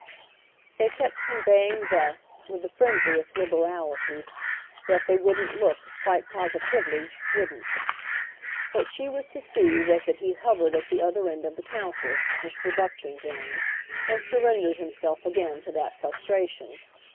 They kept conveying thus, with the friendliest liberality, that they wouldn't look, quite positively wouldn't. What she was to see was that he hovered at the other end of the counter, Mr. Buckton's end, and surrendered himself again to that frustration.